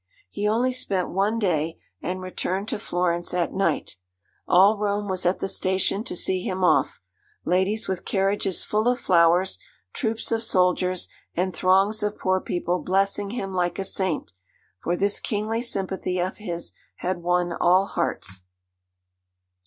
He only spent one day, and returned to Florence at night. All Rome was at the station to see him off: ladies with carriages full of flowers, troops of soldiers, and throngs of poor people blessing him like a saint; for this kingly sympathy of his had won all hearts.